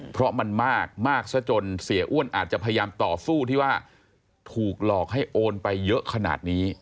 เพราะมันมากมากซะจนเสียอ้วนอาจจะพยายามต่อสู้ที่ว่าถูกหลอกให้โอนไปเยอะขนาดนี้